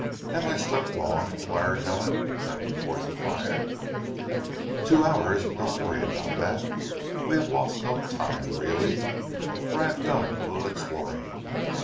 "Have I slept long?" inquired Helen, moving towards the fire. "Two hours. But don't worry about that. We have lost no time really, for I have done a little exploring.